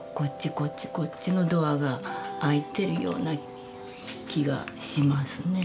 こっちこっちのドアが開いてるような気がしますね。